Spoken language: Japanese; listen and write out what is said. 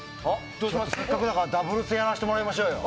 せっかくだからダブルスやらせてもらいましょうよ。